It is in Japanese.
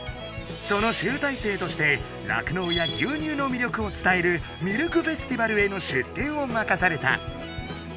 その集大成として酪農や牛乳の魅力を伝える「ミルクフェスティバル」への出展をまかされた！